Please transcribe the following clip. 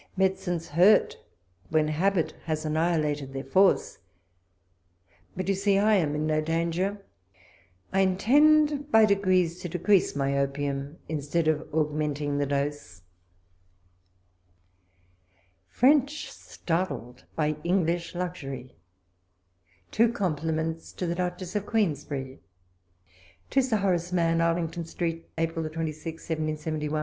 Medicines hurt when habit has annihi lated their force ; but you see I am in no danger. I intend by degrees to decrease my opium, in stead of augmenting the dose. ... FJiFXCH STARTLED BY ENGLISH LUXURY TWO COMPLIMENTS TO THE DUCHESS OF QUEEN SBERRY. To Sir Horace Mann. Arlington Street, April 2b, 1771. ...